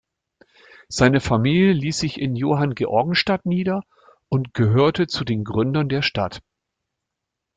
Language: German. Seine Familie ließ sich in Johanngeorgenstadt nieder und gehörte zu den Gründern der Stadt.